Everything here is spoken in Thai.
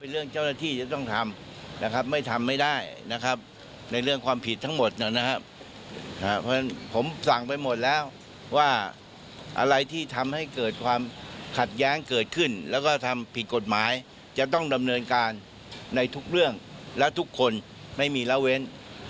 เรื่องเจ้าหน้าที่จะต้องทำนะครับไม่ทำไม่ได้นะครับในเรื่องความผิดทั้งหมดนะครับเพราะฉะนั้นผมสั่งไปหมดแล้วว่าอะไรที่ทำให้เกิดความขัดแย้งเกิดขึ้นแล้วก็ทำผิดกฎหมายจะต้องดำเนินการในทุกเรื่องและทุกคนไม่มีละเว้น